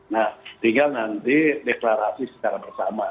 nah tinggal nanti deklarasi secara bersama